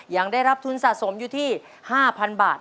ยังได้รับทุนสะสมอยู่ที่๕๐๐๐บาท